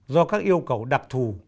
do các yêu cầu đặc thù